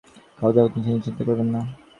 খাওয়াদাওয়া নিয়ে চিন্তা করবেন না।